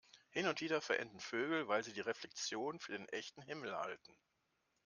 Hin und wieder verenden Vögel, weil sie die Reflexion für den echten Himmel halten.